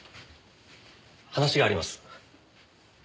話があります。